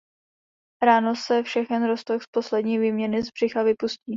Ráno se všechen roztok z poslední výměny z břicha vypustí.